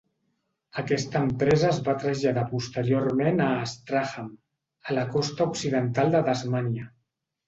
Aquesta empresa es va traslladar posteriorment a Strahan, a la costa occidental de Tasmània.